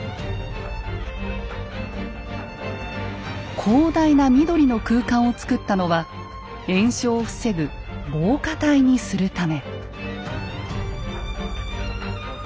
広大な緑の空間を造ったのは延焼を防ぐ防火帯にするため。